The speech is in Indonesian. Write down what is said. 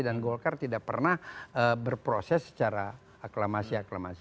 dan golkar tidak pernah berproses secara aklamasi aklamasi